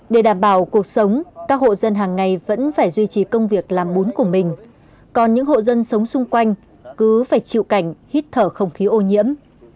để đảm bảo cuộc sống các hộ dân hàng ngày vẫn phải duy trì công việc làm bún của mình còn những hộ dân sống xung quanh cứ phải chịu cảnh hít thở không khí ô nhiễm